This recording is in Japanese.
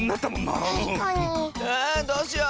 あどうしよう！